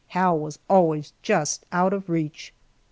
Hal was always just out of reach.